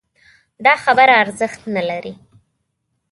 دا خبره ارزښت نه لري